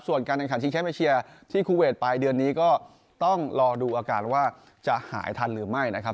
ส่วนการแข่งขันชิงแชมป์เอเชียที่คูเวทปลายเดือนนี้ก็ต้องรอดูอาการว่าจะหายทันหรือไม่นะครับ